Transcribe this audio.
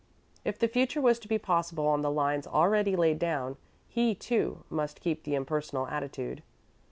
If the future was to be possible on the lines already laid down, he, too, must keep the impersonal attitude.